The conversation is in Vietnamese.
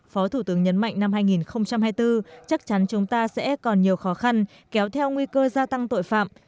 phó thủ tướng nhấn mạnh năm hai nghìn hai mươi bốn chắc chắn chúng ta sẽ còn nhiều khó khăn kéo theo nguy cơ gia tăng tội phạm